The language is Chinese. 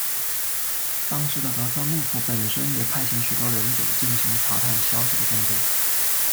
当时的德川幕府本身也派遣许多忍者进行查探消息的工作。